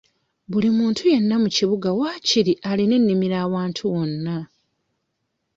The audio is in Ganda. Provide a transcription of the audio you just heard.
Buli muntu yenna mu kibuga waakiri alina ennimiro awantu wonna.